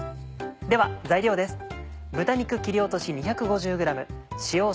では材料です。